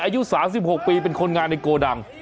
อะอยู่สามสิบหกปีเป็นคนงานในโกดัง